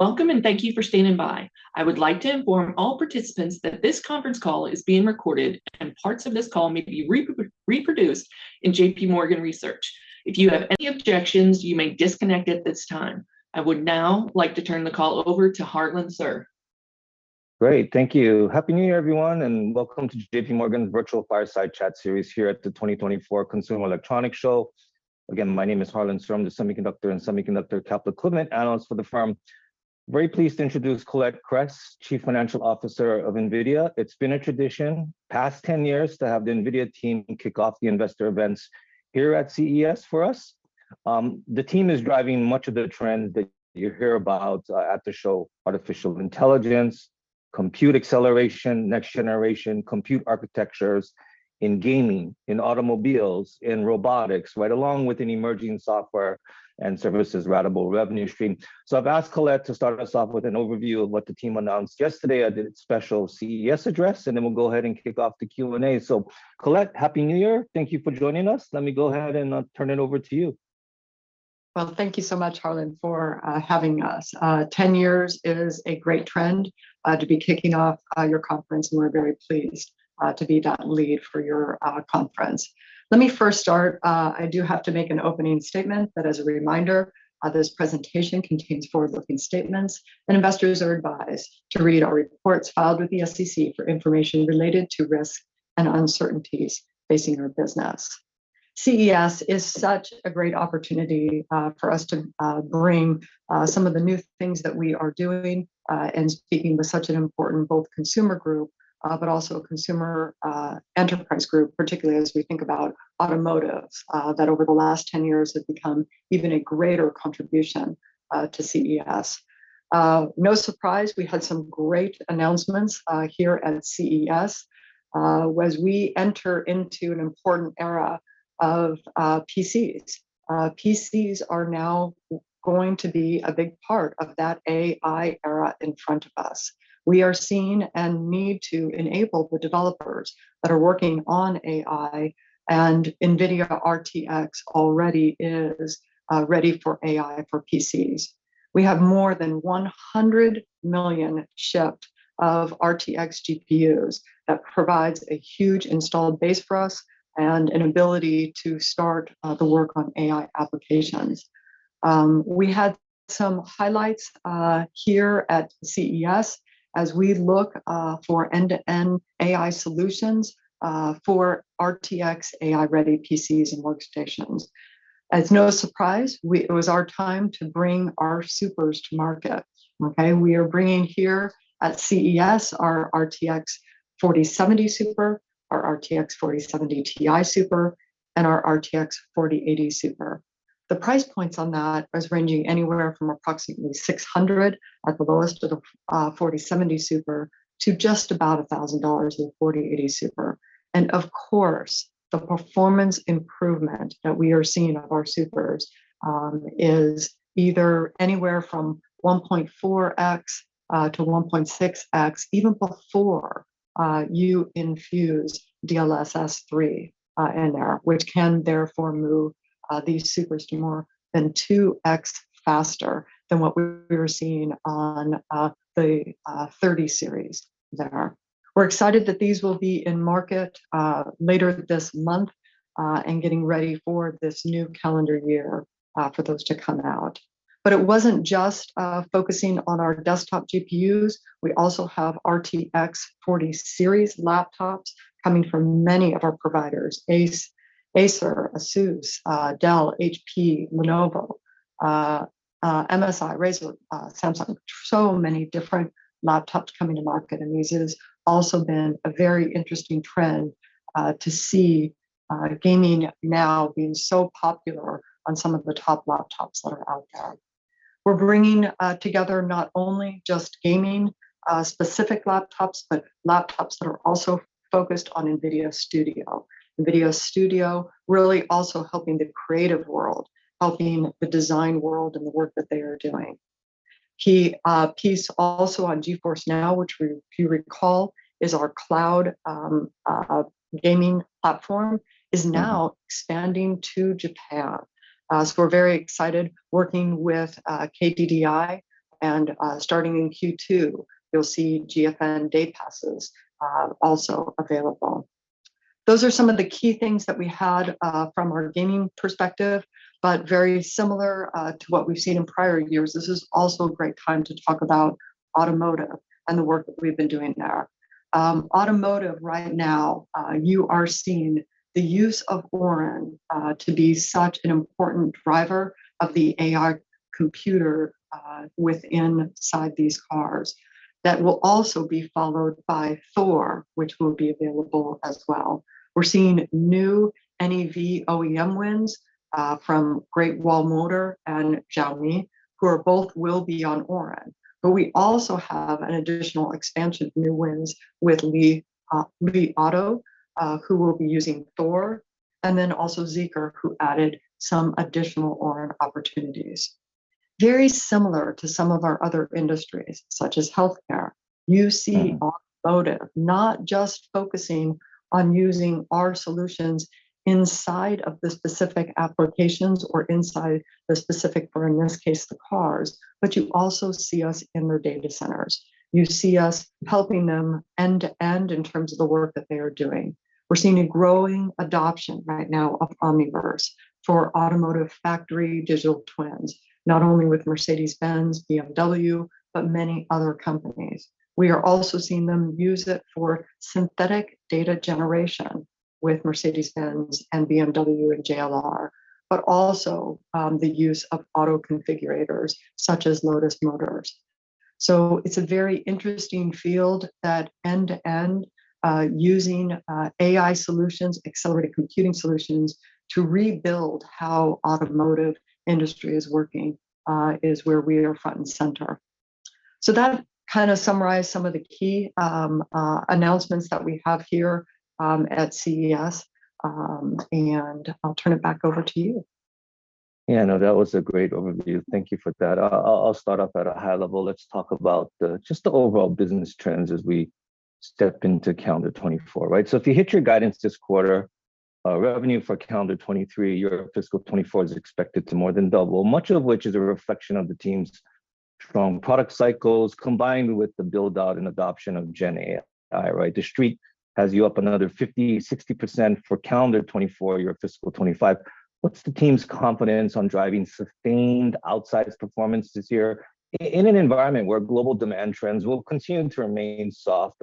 Welcome, and thank you for standing by. I would like to inform all participants that this conference call is being recorded, and parts of this call may be reproduced in JPMorgan Research. If you have any objections, you may disconnect at this time. I would now like to turn the call over to Harlan Sur. Great. Thank you. Happy New Year, everyone, and welcome to JPMorgan's Virtual Fireside Chat Series here at the 2024 Consumer Electronics Show. Again, my name is Harlan Sur, I'm the Semiconductor and Semiconductor Capital Equipment analyst for the firm. Very pleased to introduce Colette Kress, Chief Financial Officer of NVIDIA. It's been a tradition, past 10 years, to have the NVIDIA team kick off the investor events here at CES for us. The team is driving much of the trend that you hear about, at the show: artificial intelligence, compute acceleration, next generation compute architectures in Gaming, in Automobiles, in Robotics, right along with an emerging software and services ratable revenue stream. So I've asked Colette to start us off with an overview of what the team announced yesterday at the special CES address, and then we'll go ahead and kick off the Q&A. Colette, Happy New Year. Thank you for joining us. Let me go ahead and turn it over to you. Well, thank you so much, Harlan for having us. 10 years is a great trend to be kicking off your conference, and we're very pleased to be that lead for your conference. Let me first start, I do have to make an opening statement that as a reminder, this presentation contains forward-looking statements, and investors are advised to read our reports filed with the SEC for information related to risks and uncertainties facing our business. CES is such a great opportunity for us to bring some of the new things that we are doing, and speaking with such an important, both consumer group, but also consumer enterprise group, particularly as we think about Automotive, that over the last 10 years have become even a greater contribution to CES. No surprise, we had some great announcements here at CES as we enter into an important era of PCs. PCs are now going to be a big part of that AI era in front of us. We are seeing and need to enable the developers that are working on AI, and NVIDIA RTX already is ready for AI for PCs. We have more than 100 million shipped of RTX GPUs. That provides a huge installed base for us and an ability to start the work on AI applications. We had some highlights here at CES as we look for end-to-end AI solutions for RTX AI-ready PCs and workstations. It's no surprise, it was our time to bring our SUPERs to market, okay? We are bringing here at CES our RTX 4070 SUPER, our RTX 4070 Ti SUPER, and our RTX 4080 SUPER. The price points on that is ranging anywhere from approximately $600 at the lowest of the 4070 SUPER to just about $1,000 in the 4080 SUPER. And of course, the performance improvement that we are seeing of our SUPERs is either anywhere from 1.4x-1.6x, even before you infuse DLSS 3 in there, which can therefore move these SUPERs to more than 2x faster than what we were seeing on the 30 series there. We're excited that these will be in market later this month and getting ready for this new calendar year for those to come out. But it wasn't just focusing on our desktop GPUs. We also have RTX 40 series laptops coming from many of our providers, Acer, ASUS, Dell, HP, Lenovo, MSI, Razer, Samsung. So many different laptops coming to market, and this has also been a very interesting trend to see gaming now being so popular on some of the top laptops that are out there. We're bringing together not only just gaming specific laptops, but laptops that are also focused on NVIDIA Studio. NVIDIA Studio really also helping the creative world, helping the design world and the work that they are doing. Key piece also on GeForce NOW, which if you recall is our cloud gaming platform is now expanding to Japan. So we're very excited working with KDDI, and starting in Q2, you'll see GFN day passes also available. Those are some of the key things that we had from our Gaming perspective, but very similar to what we've seen in prior years. This is also a great time to talk about Automotive and the work that we've been doing there. Automotive, right now, you are seeing the use of Orin to be such an important driver of the AI computer within side these cars. That will also be followed by Thor, which will be available as well. We're seeing new NEV OEM wins from Great Wall Motor and Xiaomi, who are both will be on Orin. But we also have an additional expansion, new wins with Li Auto, who will be using Thor, and then also Zeekr, who added some additional Orin opportunities. Very similar to some of our other industries, such as healthcare. You see Automotive not just focusing on using our solutions inside of the specific applications or inside the specific, or in this case, the cars, but you also see us in their data centers. You see us helping them end-to-end in terms of the work that they are doing. We're seeing a growing adoption right now of Omniverse for automotive factory digital twins, not only with Mercedes-Benz, BMW, but many other companies. We are also seeing them use it for synthetic data generation with Mercedes-Benz and BMW and JLR, but also the use of auto configurators such as Lotus Motors. So it's a very interesting field that end-to-end, using AI solutions, accelerated computing solutions, to rebuild how automotive industry is working, is where we are front and center. So that kind of summarized some of the key announcements that we have here, at CES, and I'll turn it back over to you. Yeah, no, that was a great overview. Thank you for that. I'll start off at a high level. Let's talk about just the overall business trends as we step into calendar 2024, right? So if you hit your guidance this quarter, revenue for calendar 2023, your fiscal 2024 is expected to more than double, much of which is a reflection of the team's strong product cycles, combined with the build-out and adoption of GenAI, right? TheStreet has you up another 50-60% for calendar 2024, your fiscal 2025. What's the team's confidence on driving sustained outsized performance this year in an environment where global demand trends will continue to remain soft?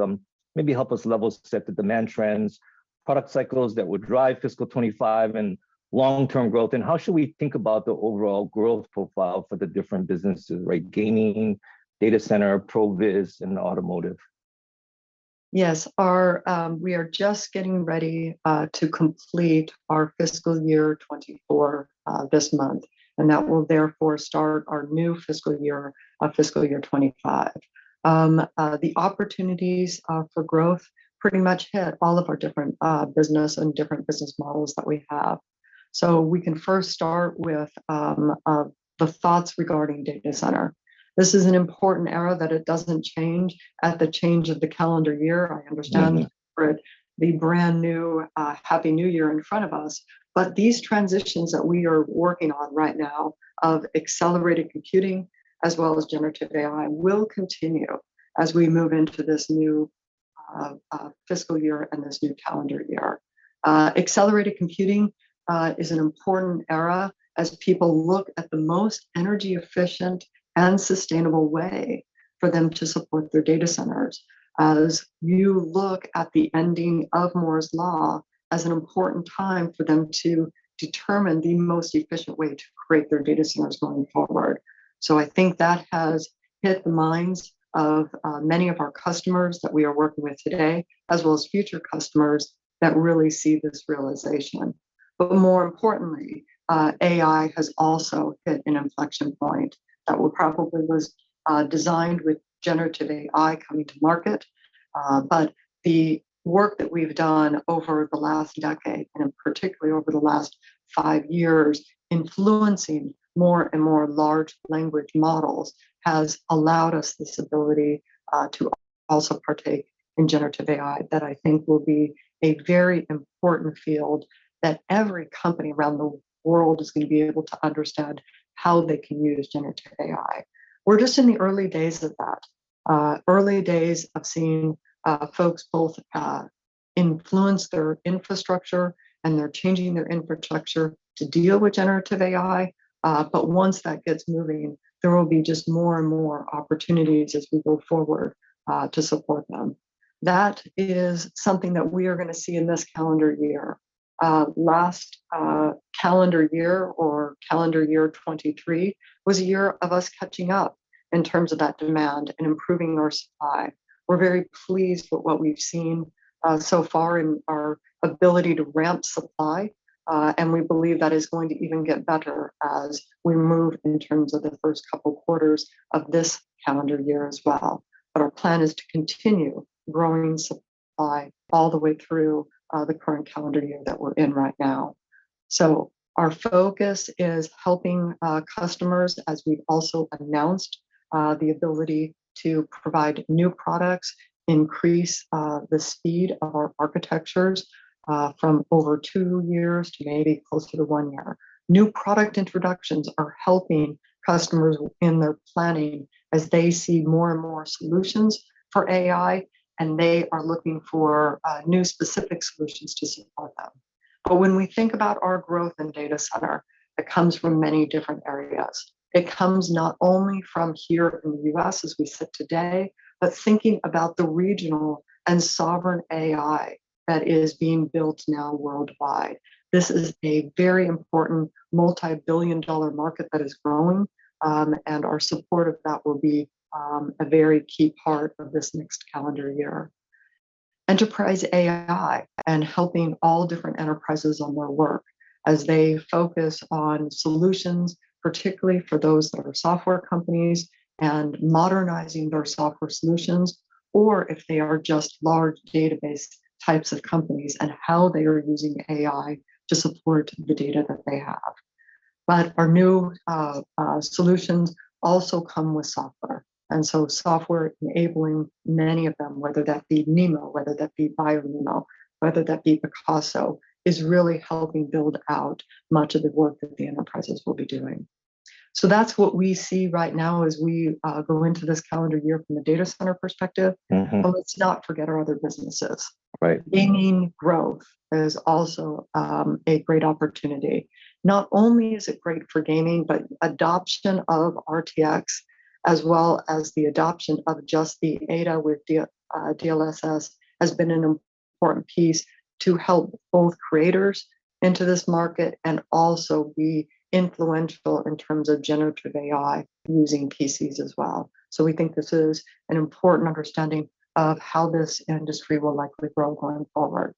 Maybe help us level set the demand trends, product cycles that would drive fiscal 2025 and long-term growth, and how should we think about the overall growth profile for the different businesses, right? Gaming, Data Center, ProViz, and Automotive. Yes. We are just getting ready to complete our fiscal year 2024 this month, and that will therefore start our new fiscal year 2025. The opportunities for growth pretty much hit all of our different business and different business models that we have. So we can first start with the thoughts regarding Data Center. This is an important era that it doesn't change at the change of the calendar year. I understand the brand new, Happy New Year in front of us, but these transitions that we are working on right now of accelerated computing as well as Generative AI will continue as we move into this new, fiscal year and this new calendar year. Accelerated computing is an important era as people look at the most energy efficient and sustainable way for them to support their data centers, as you look at the ending of Moore's Law as an important time for them to determine the most efficient way to create their data centers going forward. So I think that has hit the minds of many of our customers that we are working with today, as well as future customers that really see this realization. But more importantly, AI has also hit an inflection point that was probably designed with Generative AI coming to market. But the work that we've done over the last decade, and particularly over the last five years, influencing more and more large language models, has allowed us this ability to also partake in generative AI. That I think will be a very important field that every company around the world is going to be able to understand how they can use Generative AI. We're just in the early days of that, early days of seeing folks both influence their infrastructure, and they're changing their infrastructure to deal with Generative AI. But once that gets moving, there will be just more and more opportunities as we go forward to support them. That is something that we are going to see in this calendar year. Last calendar year or calendar year 2023 was a year of us catching up in terms of that demand and improving our supply. We're very pleased with what we've seen so far in our ability to ramp supply, and we believe that is going to even get better as we move in terms of the first couple quarters of this calendar year as well. But our plan is to continue growing supply all the way through the current calendar year that we're in right now. So our focus is helping customers, as we've also announced, the ability to provide new products, increase the speed of our architectures from over two years to maybe closer to one year. New product introductions are helping customers in their planning as they see more and more solutions for AI, and they are looking for new specific solutions to support them. But when we think about our growth in Data Center, it comes from many different areas. It comes not only from here in the U.S., as we sit today, but thinking about the regional and sovereign AI that is being built now worldwide. This is a very important multi-billion dollar market that is growing, and our support of that will be a very key part of this next calendar year. Enterprise AI and helping all different enterprises on their work as they focus on solutions, particularly for those that are software companies and modernizing their software solutions, or if they are just large database types of companies, and how they are using AI to support the data that they have. But our new solutions also come with software. And so software enabling many of them, whether that be NeMo, whether that be BioNeMo, whether that be Picasso, is really helping build out much of the work that the enterprises will be doing. So that's what we see right now as we go into this calendar year from a Data Center perspective. But let's not forget our other businesses. Right. Gaming growth is also a great opportunity. Not only is it great for gaming, but adoption of RTX, as well as the adoption of just the Ada with DLSS, has been an important piece to help both creators into this market and also be influential in terms of Generative AI using PCs as well. So we think this is an important understanding of how this industry will likely grow going forward.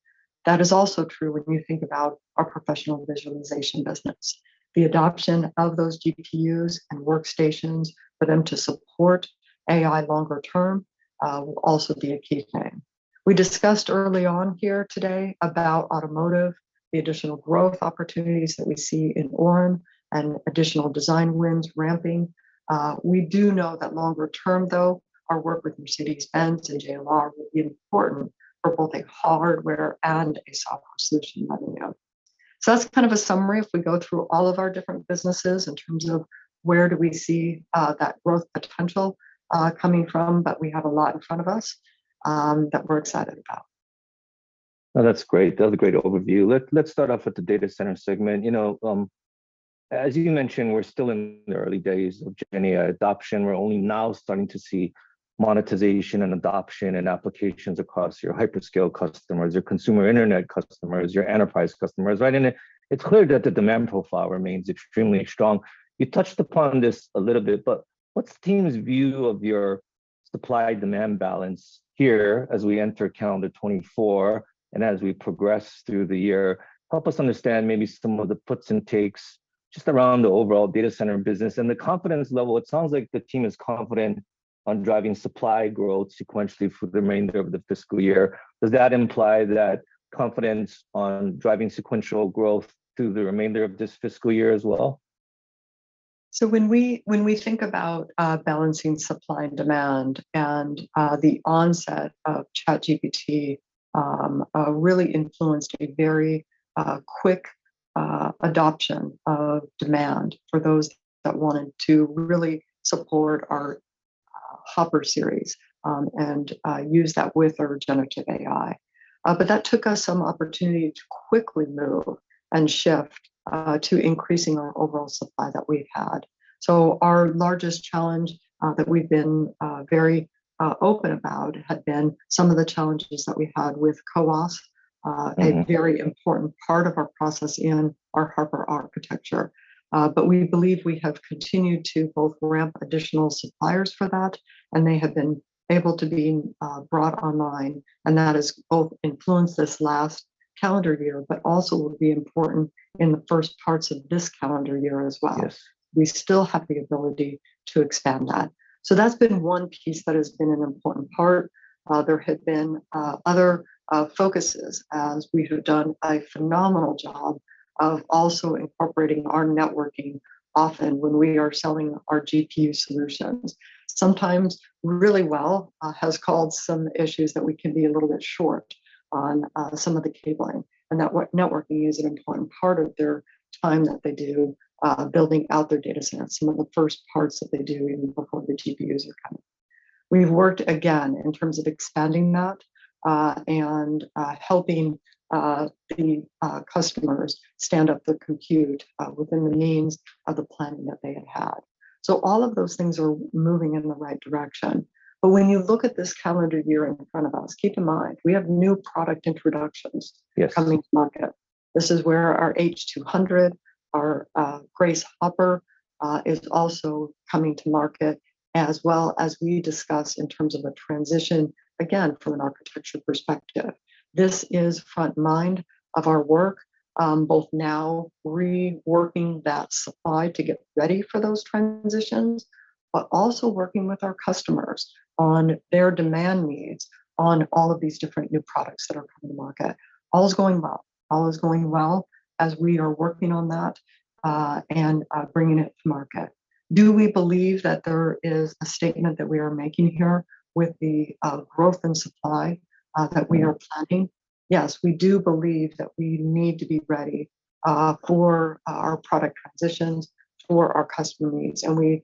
That is also true when you think about our professional visualization business. The adoption of those GPUs and workstations for them to support AI longer term will also be a key thing. We discussed early on here today about Automotive, the additional growth opportunities that we see in Orin, and additional design wins ramping. We do know that longer term, though, our work with Mercedes-Benz and JLR will be important for both a hardware and a software solution coming out. So that's kind of a summary. If we go through all of our different businesses in terms of where do we see, that growth potential, coming from, but we have a lot in front of us, that we're excited about. Well, that's great. That was a great overview. Let's start off with the Data Center segment. You know, as you mentioned, we're still in the early days of GenAI adoption. We're only now starting to see monetization and adoption and applications across your hyperscale customers, your consumer internet customers, your enterprise customers, right? And it's clear that the demand profile remains extremely strong. You touched upon this a little bit, but what's the team's view of your supply-demand balance here as we enter calendar 2024 and as we progress through the year? Help us understand maybe some of the puts and takes just around the overall Data Center business and the confidence level. It sounds like the team is confident on driving supply growth sequentially for the remainder of the fiscal year. Does that imply that confidence on driving sequential growth through the remainder of this fiscal year as well? So when we think about balancing supply and demand, and the onset of ChatGPT really influenced a very quick adoption of demand for those that wanted to really support our Hopper series, and use that with our Generative AI. But that took us some opportunity to quickly move and shift to increasing our overall supply that we've had. So our largest challenge that we've been very open about have been some of the challenges that we had with CoWoS a very important part of our process in our Hopper architecture. But we believe we have continued to both ramp additional suppliers for that, and they have been able to be brought online, and that has both influenced this last calendar year, but also will be important in the first parts of this calendar year as well. We still have the ability to expand that. So that's been one piece that has been an important part. There have been other focuses, as we have done a phenomenal job of also incorporating our networking, often when we are selling our GPU solutions. Sometimes, really well, has caused some issues that we can be a little bit short on some of the cabling. And networking is an important part of their time that they do, building out their data centers, some of the first parts that they do even before the GPUs are coming. We've worked again in terms of expanding that, and helping the customers stand up the compute, within the means of the planning that they had. So all of those things are moving in the right direction. When you look at this calendar year in front of us, keep in mind, we have new product introductions coming to market. This is where our H200, our Grace Hopper, is also coming to market, as well as we discussed in terms of a transition, again, from an architecture perspective. This is front mind of our work, both now reworking that supply to get ready for those transitions, but also working with our customers on their demand needs on all of these different new products that are coming to market. All is going well. All is going well as we are working on that, and bringing it to market. Do we believe that there is a statement that we are making here with the growth and supply that we are planning? Yes, we do believe that we need to be ready for our product transitions, for our customer needs. We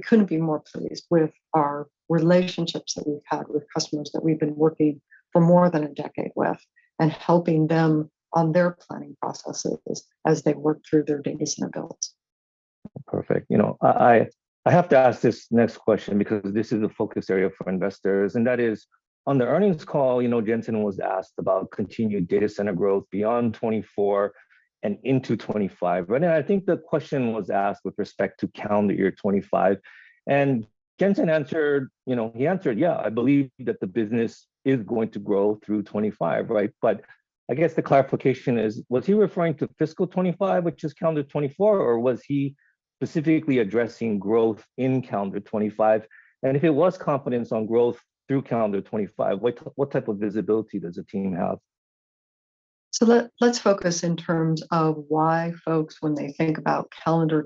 couldn't be more pleased with our relationships that we've had with customers that we've been working for more than a decade with, and helping them on their planning processes as they work through their Data Center builds. Perfect. You know, I have to ask this next question because this is a focus area for investors, and that is, on the earnings call, you know, Jensen was asked about continued Data Center growth beyond 2024 and into 2025, right? And I think the question was asked with respect to calendar year 2025. And Jensen answered. You know, he answered: "Yeah, I believe that the business is going to grow through 2025." Right? But I guess the clarification is, was he referring to fiscal 2025, which is calendar 2024, or was he specifically addressing growth in calendar 2025? And if it was confidence on growth through calendar 2025, what what type of visibility does the team have? So let's focus in terms of why folks, when they think about calendar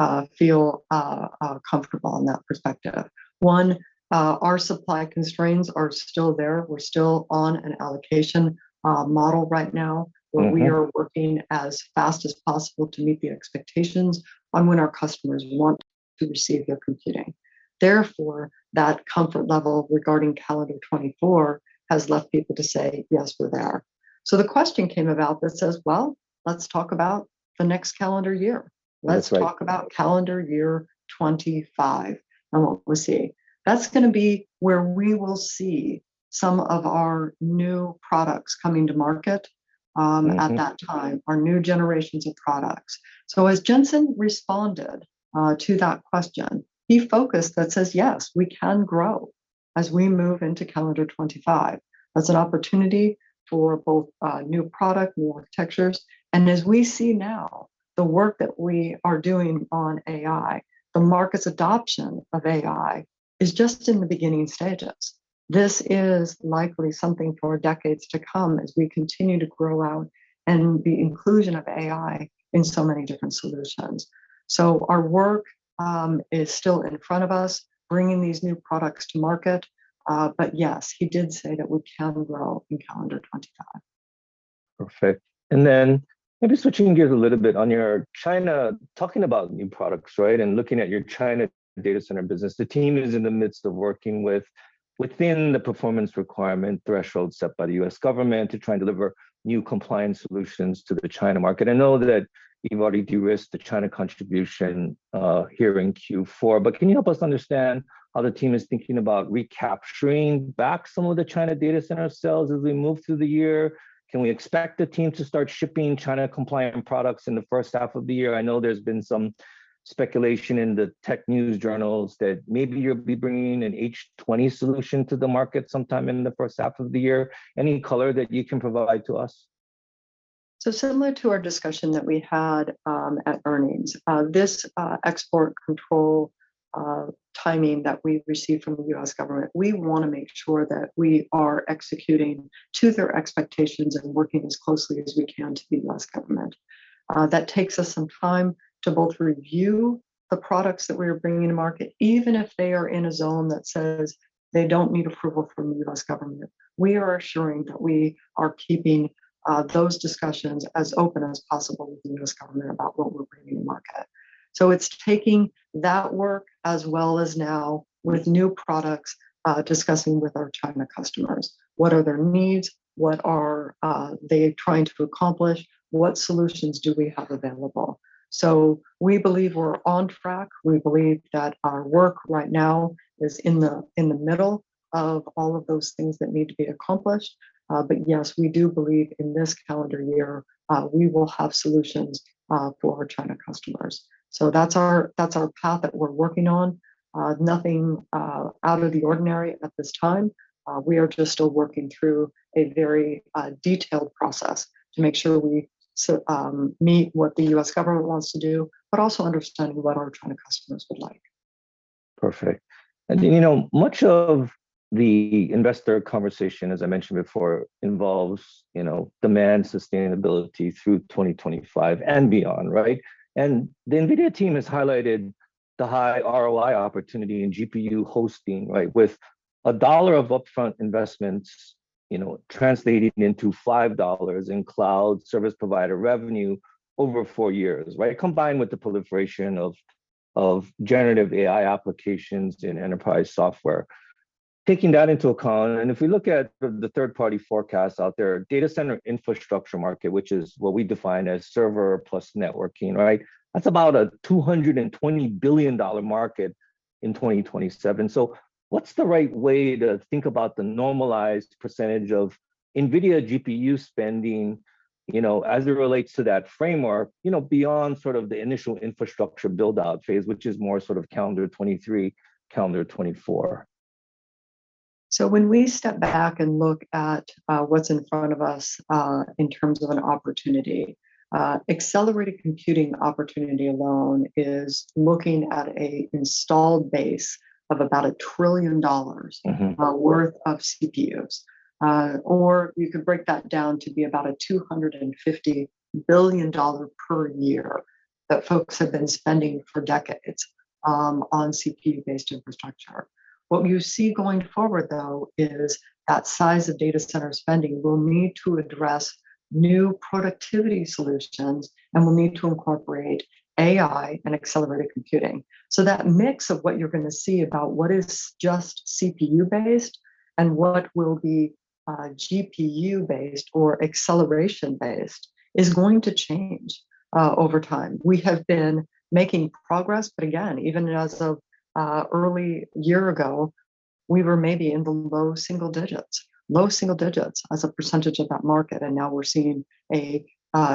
2024, comfortable in that perspective. One, our supply constraints are still there. We're still on an allocation model right now. But we are working as fast as possible to meet the expectations on when our customers want to receive their computing. Therefore, that comfort level regarding calendar 2024 has left people to say, "Yes, we're there." So the question came about that says, well, let's talk about the next calendar year. That's right. Let's talk about calendar year 2025, and what we'll see. That's gonna be where we will see some of our new products coming to market at that time, our new generations of products. So as Jensen responded to that question, he focused that says, "Yes, we can grow as we move into calendar 2025." That's an opportunity for both new product, new architectures, and as we see now, the work that we are doing on AI, the market's adoption of AI is just in the beginning stages. This is likely something for decades to come as we continue to grow out, and the inclusion of AI in so many different solutions. So our work is still in front of us, bringing these new products to market, but yes, he did say that we can grow in calendar 2025. Perfect. Then maybe switching gears a little bit, on your China, talking about new products, right? And looking at your China Data Center business, the team is in the midst of working with, within the performance requirement threshold set by the U.S. government to try and deliver new compliance solutions to the China market. I know that you've already de-risked the China contribution here in Q4, but can you help us understand how the team is thinking about recapturing back some of the China Data Center sales as we move through the year? Can we expect the team to start shipping China-compliant products in the first half of the year? I know there's been some speculation in the tech news journals that maybe you'll be bringing an H20 solution to the market sometime in the first half of the year. Any color that you can provide to us? So similar to our discussion that we had at earnings, this export control timing that we've received from the U.S. government, we wanna make sure that we are executing to their expectations and working as closely as we can to the U.S. government. That takes us some time to both review the products that we are bringing to market, even if they are in a zone that says they don't need approval from the U.S. government. We are assuring that we are keeping those discussions as open as possible with the U.S. government about what we're bringing to market. So it's taking that work as well as now with new products, discussing with our China customers. What are their needs? What are they trying to accomplish? What solutions do we have available? So we believe we're on track. We believe that our work right now is in the, in the middle of all of those things that need to be accomplished, but yes, we do believe in this calendar year, we will have solutions for our China customers. So that's our path that we're working on. Nothing out of the ordinary at this time. We are just still working through a very detailed process to make sure we meet what the U.S. government wants to do, but also understanding what our China customers would like. Perfect. You know, much of the investor conversation, as I mentioned before, involves, you know, demand sustainability through 2025 and beyond, right? The NVIDIA team has highlighted the high ROI opportunity in GPU hosting, right? With $1 of upfront investments, you know, translating into $5 in cloud service provider revenue over four years, right? Combined with the proliferation of Generative AI applications in enterprise software. Taking that into account, and if we look at the third-party forecasts out there, Data Center infrastructure market, which is what we define as server plus networking, right? That's about a $220 billion market in 2027. So what's the right way to think about the normalized percentage of NVIDIA GPU spending, you know, as it relates to that framework, you know, beyond sort of the initial infrastructure build-out phase, which is more sort of calendar 2023, calendar 2024? So when we step back and look at what's in front of us in terms of an opportunity, Accelerated Computing opportunity alone is looking at an installed base of about $1 trillion worth of CPUs. Or you could break that down to be about a $250 billion per year that folks have been spending for decades, on CPU-based infrastructure. What you see going forward, though, is that size of Data Center spending will need to address new productivity solutions and will need to incorporate AI and accelerated computing. So that mix of what you're gonna see about what is just CPU-based and what will be, GPU-based or acceleration-based is going to change, over time. We have been making progress, but again, even as of, early year ago, we were maybe in the low single digits, low single digits as a percentage of that market, and now we're seeing a,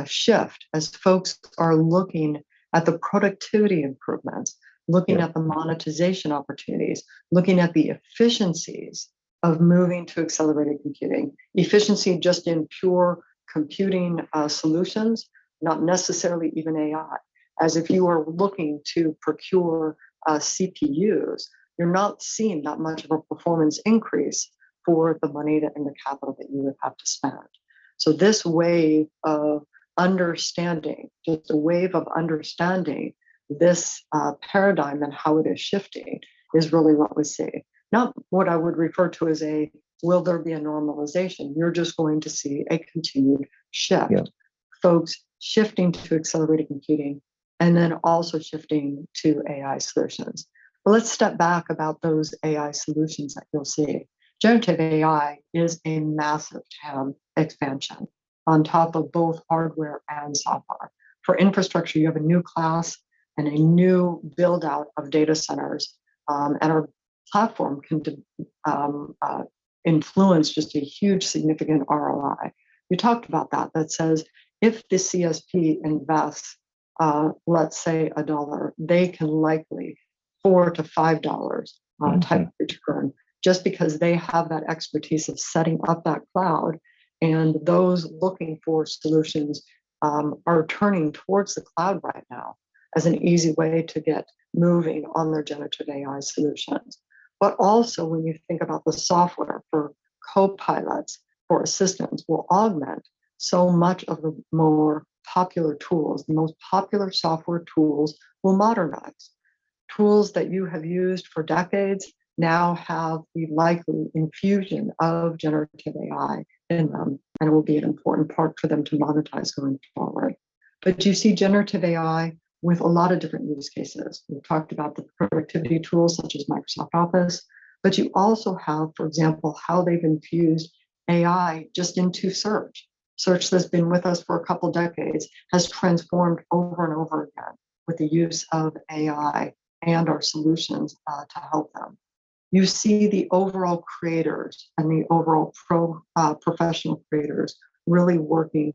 shift as folks are looking at the productivity improvements looking at the monetization opportunities, looking at the efficiencies of moving to accelerated computing. Efficiency just in pure computing, solutions, not necessarily even AI, as if you are looking to procure, CPUs, you're not seeing that much of a performance increase for the money that, and the capital that you would have to spend. So this way of understanding, just a way of understanding this, paradigm and how it is shifting, is really what we see. Not what I would refer to as a will there be a normalization? We're just going to see a continued shift. Yeah. Folks shifting to accelerated computing, and then also shifting to AI solutions. Well, let's step back about those AI solutions that you'll see. Generative AI is a massive TAM expansion on top of both hardware and software. For infrastructure, you have a new class and a new build-out of data centers, and our platform can influence just a huge, significant ROI. We talked about that, that says, if the CSP invests, let's say $1, they can likely $4-$5 on type return, just because they have that expertise of setting up that cloud, and those looking for solutions are turning towards the cloud right now as an easy way to get moving on their generative AI solutions. But also, when you think about the software for co-pilots or assistants will augment so much of the more popular tools. The most popular software tools will modernize. Tools that you have used for decades now have the likely infusion of Generative AI in them, and will be an important part for them to monetize going forward. But you see Generative AI with a lot of different use cases. We've talked about the productivity tools such as Microsoft Office, but you also have, for example, how they've infused AI just into search. Search that's been with us for a couple decades has transformed over and over again with the use of AI and our solutions to help them. You see the overall creators and the overall professional creators really working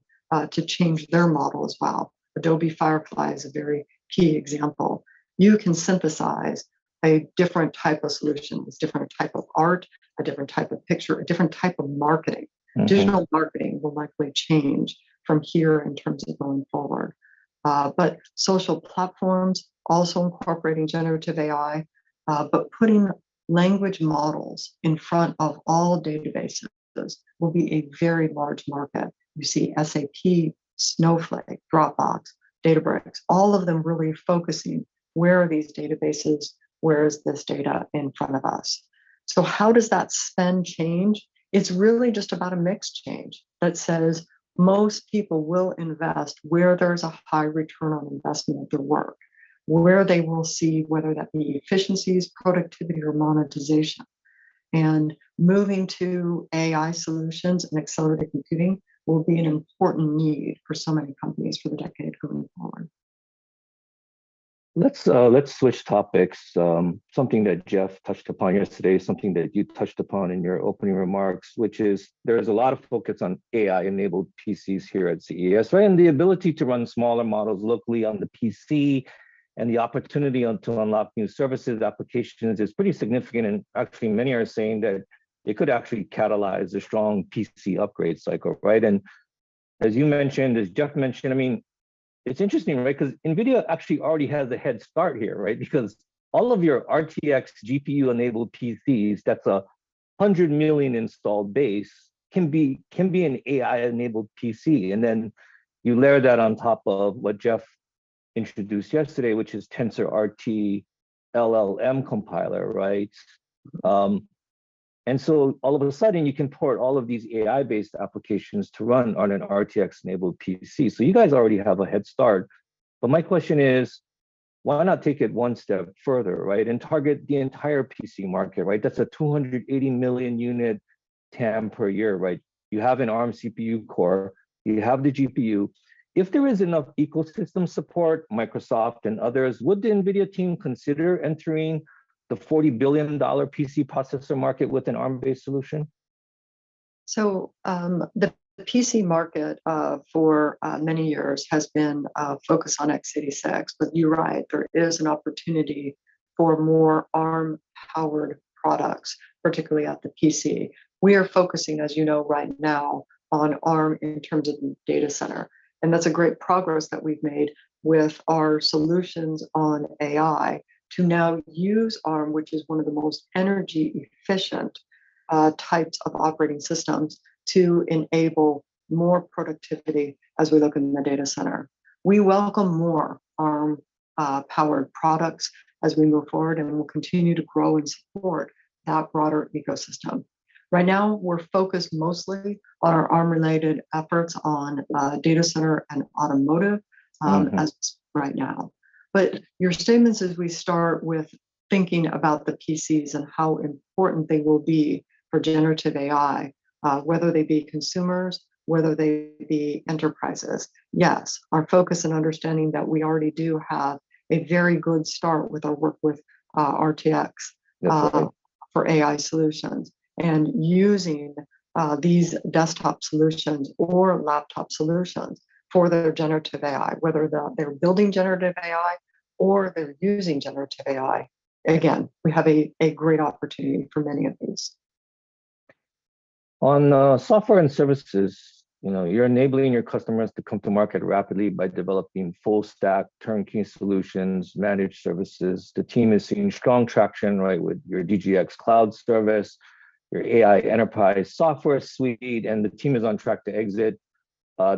to change their model as well. Adobe Firefly is a very key example. You can synthesize a different type of solution, a different type of art, a different type of picture, a different type of marketing. Digital marketing will likely change from here in terms of going forward. But social platforms also incorporating Generative AI, but putting language models in front of all databases will be a very large market. You see SAP, Snowflake, Dropbox, Databricks, all of them really focusing, where are these databases? Where is this data in front of us? So how does that spend change? It's really just about a mix change that says, most people will invest where there's a high return on investment of the work, where they will see whether that be efficiencies, productivity, or monetization. And moving to AI solutions and accelerated computing will be an important need for so many companies for the decade going forward. Let's switch topics. Something that Jeff touched upon yesterday, something that you touched upon in your opening remarks, which is there is a lot of focus on AI-enabled PCs here at CES, right? And the ability to run smaller models locally on the PC, and the opportunity to unlock new services, applications is pretty significant, and actually many are saying that it could actually catalyze a strong PC upgrade cycle, right? And as you mentioned, as Jeff mentioned, I mean it's interesting, right? Because NVIDIA actually already has a head start here, right? Because all of your RTX GPU-enabled PCs, that's 100 million installed base, can be an AI-enabled PC. And then you layer that on top of what Jeff introduced yesterday, which is TensorRT-LLM compiler, right? And so all of a sudden you can port all of these AI-based applications to run on an RTX-enabled PC. So you guys already have a head start, but my question is, why not take it one step further, right, and target the entire PC market, right? That's a 280 million unit TAM per year, right? You have an Arm CPU core, you have the GPU. If there is enough ecosystem support, Microsoft and others, would the NVIDIA team consider entering the $40 billion PC processor market with an Arm-based solution? So, the PC market, for many years has been focused on x86, but you're right, there is an opportunity for more Arm-powered products, particularly at the PC. We are focusing, as you know, right now, on Arm in terms of Data Center, and that's a great progress that we've made with our solutions on AI, to now use Arm, which is one of the most energy efficient types of operating systems, to enable more productivity as we look in the Data Center. We welcome more Arm powered products as we move forward, and we'll continue to grow and support that broader ecosystem. Right now, we're focused mostly on our Arm-related efforts on Data Center and Automotive as right now. But your statements as we start with thinking about the PCs and how important they will be for Generative AI, whether they be consumers, whether they be enterprises, yes, our focus and understanding that we already do have a very good start with our work with, RTX for AI solutions, and using these desktop solutions or laptop solutions for their Generative AI, whether they're building Generative AI or they're using Generative AI, again, we have a great opportunity for many of these. On software and services, you know, you're enabling your customers to come to market rapidly by developing full stack, turnkey solutions, managed services. The team is seeing strong traction, right, with your DGX Cloud service, your AI Enterprise software suite, and the team is on track to exit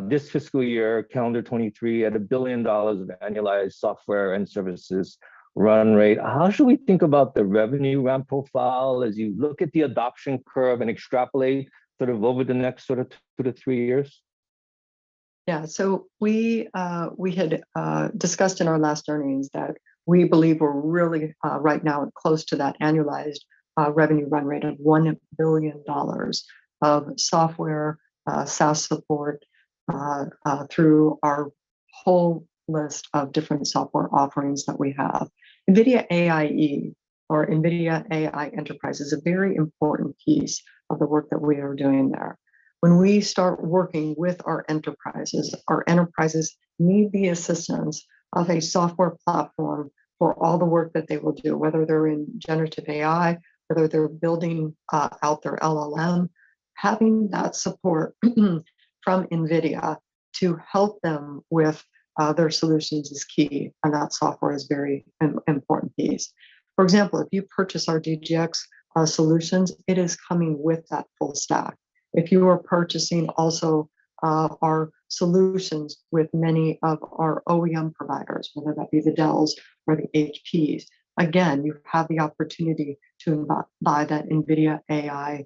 this fiscal year, calendar 2023, at $1 billion of annualized software and services run rate. How should we think about the revenue ramp profile as you look at the adoption curve and extrapolate sort of over the next sort of two to three years? Yeah. So we had discussed in our last earnings that we believe we're really right now close to that annualized revenue run rate of $1 billion of software SaaS support through our whole list of different software offerings that we have. NVIDIA AIE or NVIDIA AI Enterprise is a very important piece of the work that we are doing there. When we start working with our enterprises, our enterprises need the assistance of a software platform for all the work that they will do, whether they're in Generative AI, whether they're building out their LLM. Having that support from NVIDIA to help them with their solutions is key, and that software is very an important piece. For example, if you purchase our DGX solutions, it is coming with that full stack. If you are purchasing also, our solutions with many of our OEM providers, whether that be the Dells or the HPs, again, you have the opportunity to buy that NVIDIA AIE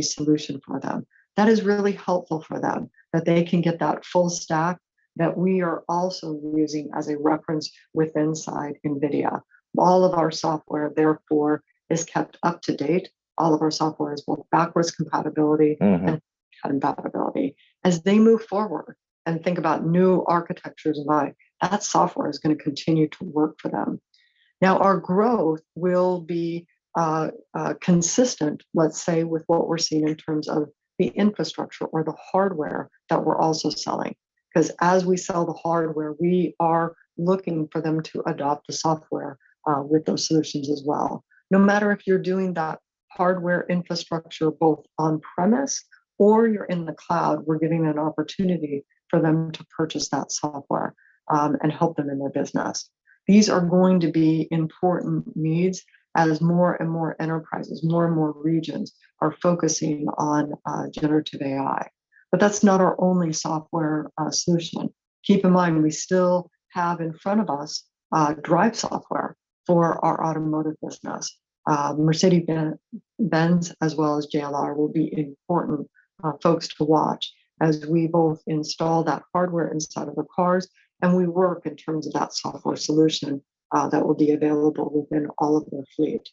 solution for them. That is really helpful for them, that they can get that full stack that we are also using as a reference with inside NVIDIA. All of our software, therefore, is kept up to date. All of our software is both backwards compatibility and compatibility. As they move forward and think about new architectures of AI, that software is gonna continue to work for them. Now, our growth will be consistent, let's say, with what we're seeing in terms of the infrastructure or the hardware that we're also selling. 'Cause as we sell the hardware, we are looking for them to adopt the software with those solutions as well. No matter if you're doing that hardware infrastructure both on premise or you're in the cloud, we're giving an opportunity for them to purchase that software and help them in their business. These are going to be important needs as more and more enterprises, more and more regions are focusing on Generative AI. But that's not our only software solution. Keep in mind, we still have in front of us Drive software for our Automotive business. Mercedes-Benz, as well as JLR, will be important, folks to watch as we both install that hardware inside of the cars and we work in terms of that software solution, that will be available within all of their fleet.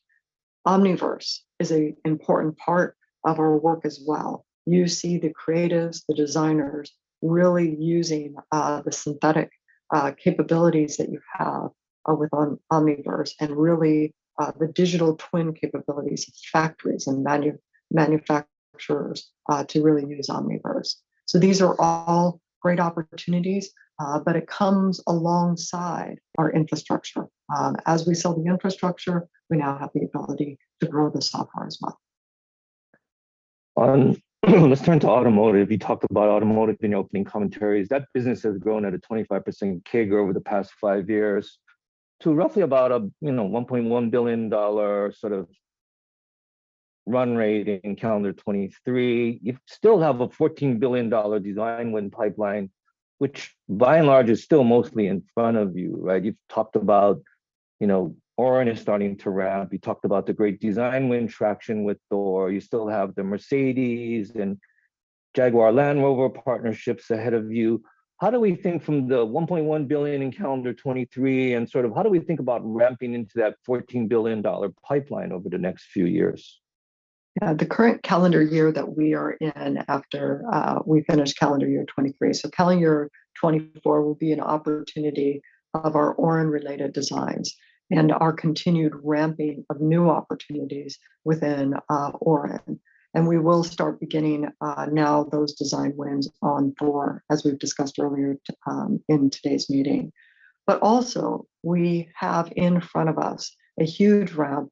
Omniverse is a important part of our work as well. You see the creatives, the designers really using, the synthetic, capabilities that you have, with Omniverse, and really, the digital twin capabilities, factories, and manufacturers to really use Omniverse. So these are all great opportunities, but it comes alongside our infrastructure. As we sell the infrastructure, we now have the ability to grow the software as well. Let's turn to Automotive. You talked about Automotive in your opening commentaries. That business has grown at a 25% CAGR over the past five years to roughly about, you know, $1.1 billion sort of run rate in calendar 2023. You still have a $14 billion design win pipeline, which by and large is still mostly in front of you, right? You've talked about, you know, Orin is starting to ramp. You talked about the great design win traction with Thor. You still have the Mercedes and Jaguar Land Rover partnerships ahead of you. How do we think from the $1.1 billion in calendar 2023, and sort of how do we think about ramping into that $14 billion dollar pipeline over the next few years? Yeah. The current calendar year that we are in after we finish calendar year 2023. So calendar year 2024 will be an opportunity of our Orin-related designs and our continued ramping of new opportunities within Orin. And we will start beginning now those design wins on Thor, as we've discussed earlier in today's meeting. But also, we have in front of us a huge ramp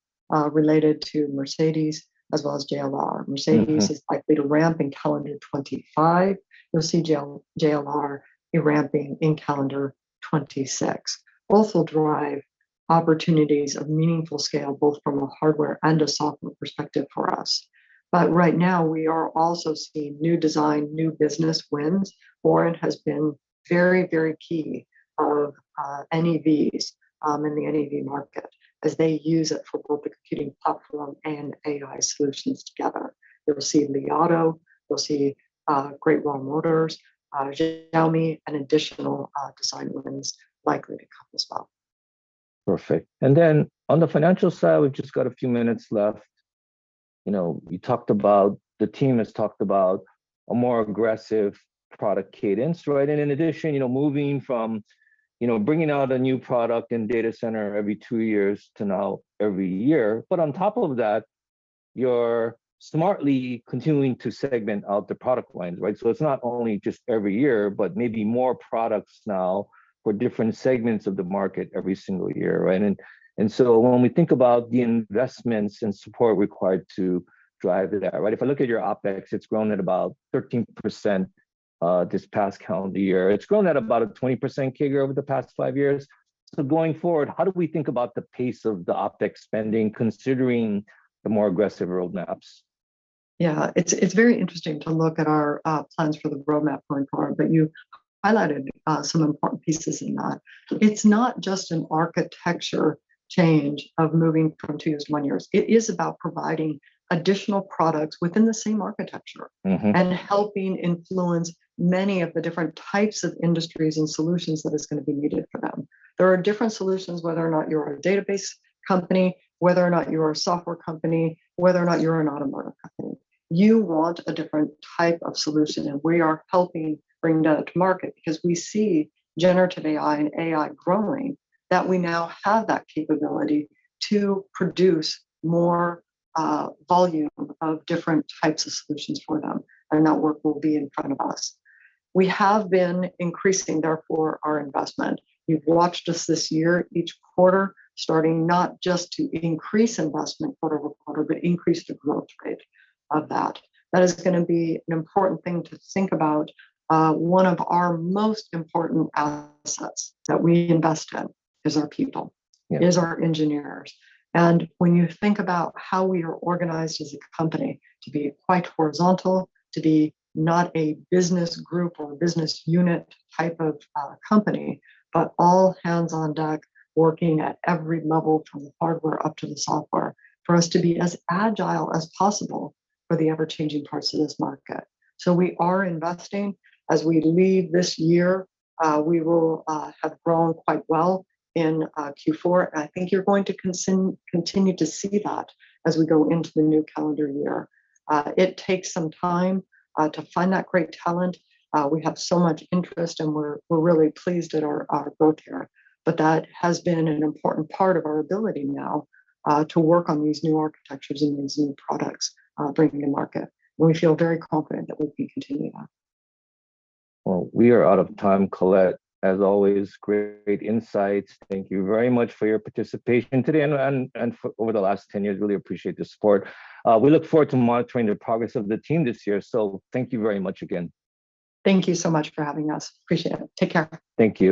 related to Mercedes as well as JLR. Mercedes is likely to ramp in calendar 2025. You'll see JLR ramping in calendar 2026. Also Drive opportunities of meaningful scale, both from a hardware and a software perspective for us. But right now, we are also seeing new design, new business wins. Orin has been very, very key of NEVs, in the NEV market, as they use it for both the computing platform and AI solutions together. You'll see Li Auto, you'll see, Great Wall Motor, Xiaomi, and additional, design wins likely to come as well. Perfect. And then on the financial side, we've just got a few minutes left. You know, you talked about the team has talked about a more aggressive product cadence, right? And in addition, you know, moving from, you know, bringing out a new product in data center every two years to now every year. But on top of that, you're smartly continuing to segment out the product lines, right? So it's not only just every year, but maybe more products now for different segments of the market every single year, right? And so when we think about the investments and support required to drive that, right, if I look at your OpEx, it's grown at about 13% this past calendar year. It's grown at about a 20% CAGR over the past five years. Going forward, how do we think about the pace of the OpEx spending, considering the more aggressive roadmaps? Yeah. It's very interesting to look at our plans for the roadmap going forward, but you highlighted some important pieces in that. It's not just an architecture change of moving from two years to one year. It is about providing additional products within the same architecture and helping influence many of the different types of industries and solutions that is gonna be needed for them. There are different solutions, whether or not you're a Database company, whether or not you're a Software company, whether or not you're an Automotive company. You want a different type of solution, and we are helping bring that to market, because we see Generative AI and AI growing, that we now have that capability to produce more, volume of different types of solutions for them, and that work will be in front of us. We have been increasing, therefore, our investment. You've watched us this year, each quarter, starting not just to increase investment quarter-over-quarter, but increase the growth rate of that. That is gonna be an important thing to think about. One of our most important assets that we invest in is our people is our engineers. And when you think about how we are organized as a company to be quite horizontal, to be not a business group or a business unit type of company, but all hands on deck, working at every level, from the hardware up to the software, for us to be as agile as possible for the ever-changing parts of this market. So we are investing. As we leave this year, we will have grown quite well in Q4, and I think you're going to continue to see that as we go into the new calendar year. It takes some time to find that great talent. We have so much interest, and we're really pleased at our growth here. But that has been an important part of our ability now, to work on these new architectures and these new products, bringing to market, and we feel very confident that we can continue that. Well, we are out of time, Colette. As always, great insights. Thank you very much for your participation today, and for over the last 10 years. Really appreciate the support. We look forward to monitoring the progress of the team this year, so thank you very much again. Thank you so much for having us. Appreciate it. Take care. Thank you.